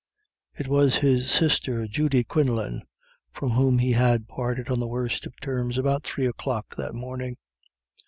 It was his sister Judy Quinlan, from whom he had parted on the worst of terms about three o'clock that morning.